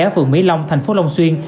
ở phường mỹ long thành phố long xuyên